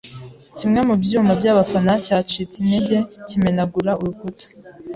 Kimwe mu byuma by'abafana cyacitse intege kimenagura urukuta.